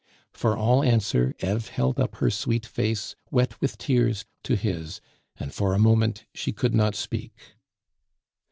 For all answer, Eve held up her sweet face, wet with tears, to his, and for a moment she could not speak.